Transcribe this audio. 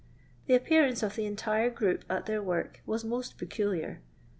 The appearance of the entire group at their work was most peculiar.